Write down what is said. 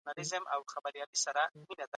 زعامت ثبات راولي.